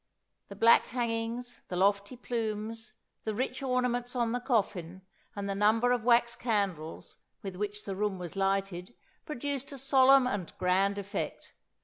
The black hangings, the lofty plumes, the rich ornaments on the coffin, and the number of wax candles, with which the room was lighted, produced a solemn and grand effect.